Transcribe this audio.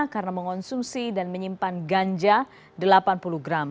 karena mengonsumsi dan menyimpan ganja delapan puluh gram